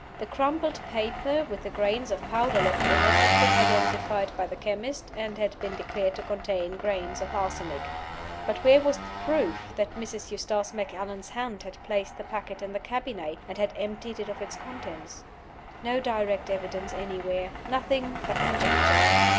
The crumpled paper, with the grains of powder left in it, had been identified by the chemist, and had been declared to contain grains of arsenic. But where was the proof that Mrs. Eustace Macallan's hand had placed the packet in the cabinet, and had emptied it of its contents? No direct evidence anywhere! Nothing but conjecture!